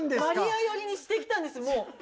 マリア寄りにしてきたんです。